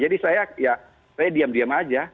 jadi saya ya saya diam diam aja